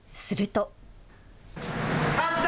すると。